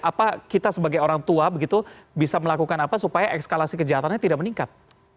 apa kita sebagai orang tua begitu bisa melakukan apa supaya ekskalasi kejahatannya tidak meningkat